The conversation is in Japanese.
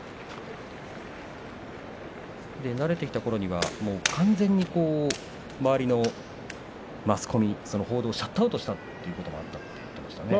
慣れたころには完全に周りのマスコミ報道をシャットアウトしたということもあったと言っていましたね。